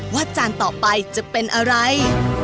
จานต่อไปจะเป็นอะไร